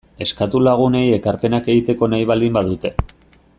Eskatu lagunei ekarpenak egiteko nahi baldin badute.